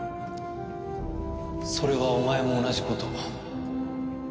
それはお前も同じこと。